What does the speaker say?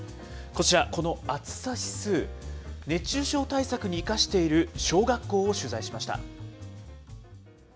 こちら、この暑さ指数、熱中症対策に生かしている小学校を取材しました。